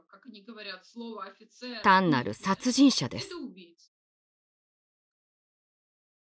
単なる殺人者です。